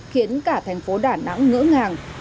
khiến cả thành phố đà nẵng ngỡ ngàng